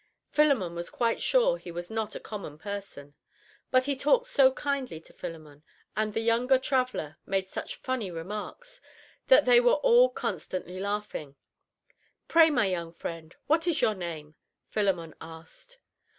Philemon was quite sure he was not a common person. But he talked so kindly to Philemon, and the younger traveler made such funny remarks, that they were all constantly laughing. "Pray, my young friend, what is your name?" Philemon asked.